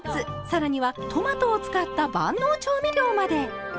更にはトマトを使った万能調味料まで！